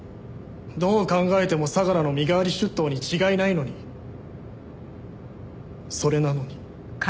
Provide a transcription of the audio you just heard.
どう考えても相良の身代わり出頭に違いないのにそれなのに。